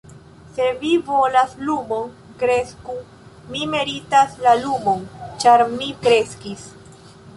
"Se vi volas lumon, kresku. Mi meritas la lumon, ĉar mi kreskis."